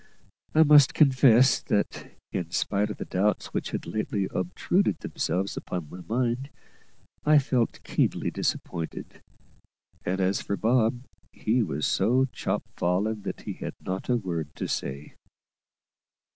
I must confess that, in spite of the doubts which had lately obtruded themselves upon my mind, I felt keenly disappointed; and as for Bob, he was so chop fallen that he had not a word to say.